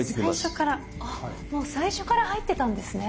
もう最初から入ってたんですね。